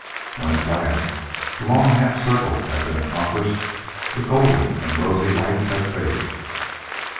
When at last the long half circle had been accomplished the golden and rosy lights had faded.